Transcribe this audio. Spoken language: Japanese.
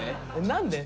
「何で？」。